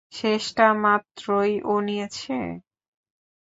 শেষটা মাত্রই ও নিয়েছে?